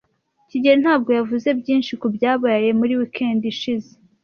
kigeli ntabwo yavuze byinshi kubyabaye muri weekend ishize.